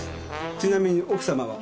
ちなみに奥さまは？